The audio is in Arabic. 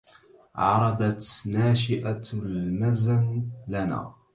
عرضت ناشئة المزن لنا